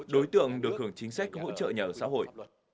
đối tượng được hưởng chính sách hỗ trợ nhà ở xã hội